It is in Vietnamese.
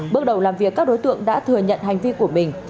bước đầu làm việc các đối tượng đã thừa nhận hành vi của mình